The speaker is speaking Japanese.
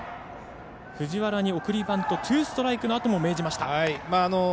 藤原に送りバントツーストライクのあとも命じました。